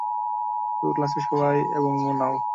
পুরো ক্লাসের সবাই এবং মোনাও।